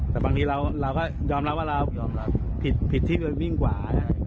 แต่บางทีเรายอมรับว่าเราผิดที่วิ่งขวา